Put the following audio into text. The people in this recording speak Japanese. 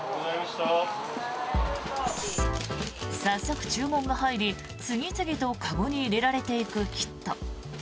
早速注文が入り次々と籠に入れられていくキット。